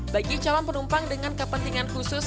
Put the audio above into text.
bagi calon penumpang dengan kepentingan khusus